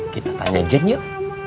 kita tanya jen yuk